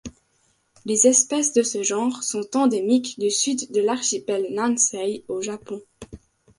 Les espèces de ce genre sont endémiques du Sud de l'archipel Nansei au Japon.